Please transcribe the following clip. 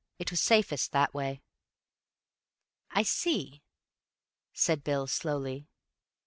It was safest that way." "I see," said Bill slowly.